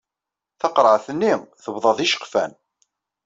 Taqerɛet-nni tebḍa d iceqfan.